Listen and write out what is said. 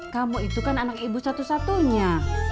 kamu itu kan anak ibu satu satunya